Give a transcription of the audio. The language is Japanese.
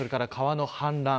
それから川の氾濫。